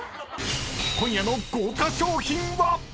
［今夜の豪華賞品は⁉］